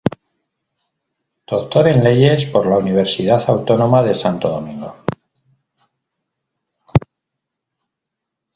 Doctor en leyes por la Universidad Autónoma de Santo Domingo.